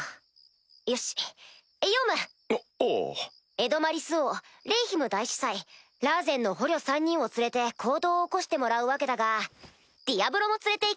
エドマリス王レイヒム大司祭ラーゼンの捕虜３人を連れて行動を起こしてもらうわけだがディアブロも連れて行け！